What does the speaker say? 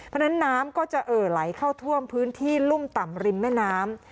เพราะฉะนั้นน้ำก็จะเอ่อไหลเข้าท่วมพื้นที่รุ่มต่ำริมแม่น้ำ